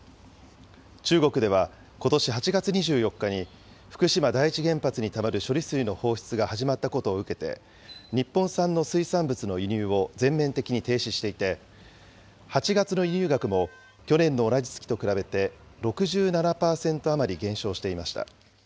中国ではことし８月２４日に、福島第一原発にたまる処理水の放出が始まったことを受けて、日本産の水産物の輸入を全面的に停止していて、８月の輸入額も去年の同じ月と比べて６７％余り減少していました。